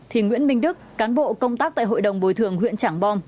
thì nguyễn minh đức cán bộ công tác tại hội đồng bồi thường huyện trảng bom